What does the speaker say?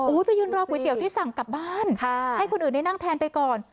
ไปยืนรอก๋วยเตี๋ยที่สั่งกลับบ้านให้คนอื่นได้นั่งแทนไปก่อน